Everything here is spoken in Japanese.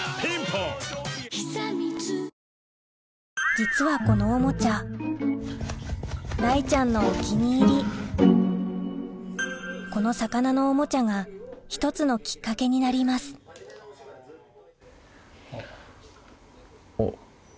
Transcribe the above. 実はこのおもちゃ雷ちゃんのお気に入りこの魚のおもちゃが１つのきっかけになりますおっ。